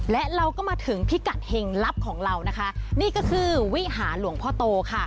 และเราก็มาถึงพิกัดเห็งลับของเรานะคะนี่ก็คือวิหารหลวงพ่อโตค่ะ